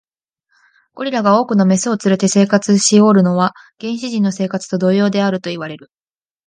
ゴリラが多くの牝を連れて生活しおるのは、原始人の生活と同様であるといわれる。